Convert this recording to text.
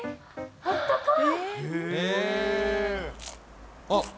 あったかい。